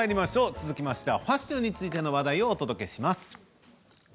続きましてはファッションについての話題をお届けします。